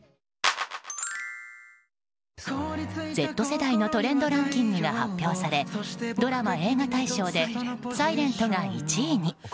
Ｚ世代のトレンドランキングが発表されドラマ・映画大賞で「ｓｉｌｅｎｔ」が１位に。